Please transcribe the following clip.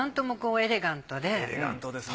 エレガントですね。